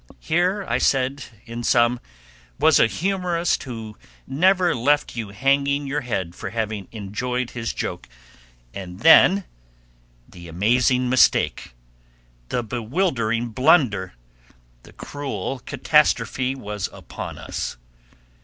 Here, I said, in sum, was a humorist who never left you hanging your head for having enjoyed his joke; and then the amazing mistake, the bewildering blunder, the cruel catastrophe was upon us.